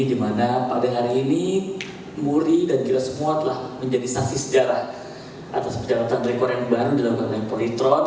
dimana pada hari ini muri dan gila semua telah menjadi saksi sejarah atas perjalanan rekor yang baru dalam kata kata politron